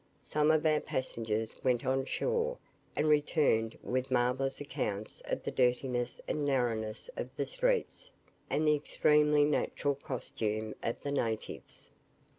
Some of our passengers went on shore, and returned with marvellous accounts of the dirtiness and narrowness of the streets, and the extremely NATURAL costume of the natives.